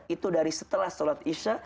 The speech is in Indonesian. itu dari setelah sholat isya